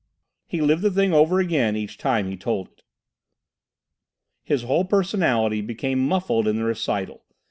He lived the thing over again each time he told it. His whole personality became muffled in the recital.